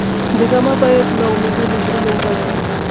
ډرامه باید ناامیدي له زړونو وباسي